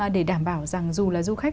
để đảm bảo rằng dù là du khách